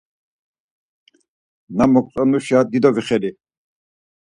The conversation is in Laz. Na moǩtzonduşa dido vixeli.